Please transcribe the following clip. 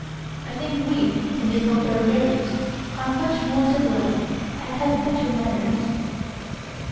I think we whom they call barbarians are much more civilized and have better manners."